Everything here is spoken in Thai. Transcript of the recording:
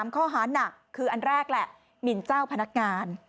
ข้อหานักคืออันแรกแหละหมินเจ้าพนักงาน